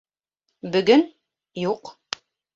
Бөгөн... юҡ.